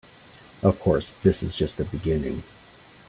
Of course, this is just the beginning.